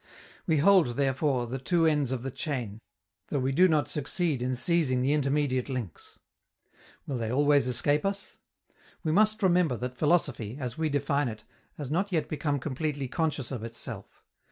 We hold, therefore, the two ends of the chain, though we do not succeed in seizing the intermediate links. Will they always escape us? We must remember that philosophy, as we define it, has not yet become completely conscious of itself.